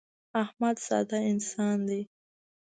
احمد ساده انسان دی.